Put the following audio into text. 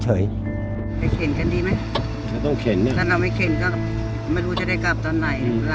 หลานอยู่บ้านมืดค่ำ